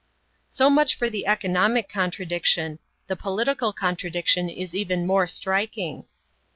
So much for the economic contradiction. The political contradiction is even more striking.